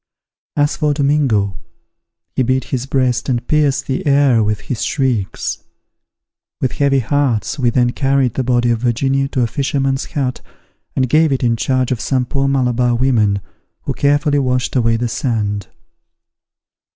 As for Domingo, he beat his breast, and pierced the air with his shrieks. With heavy hearts we then carried the body of Virginia to a fisherman's hut, and gave it in charge of some poor Malabar women, who carefully washed away the sand.